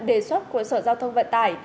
đề xuất của sở giao thông vận tải